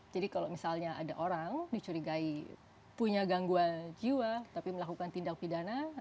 jadi kalau misalnya ada orang dicurigai punya gangguan jiwa tapi melakukan tindak pidana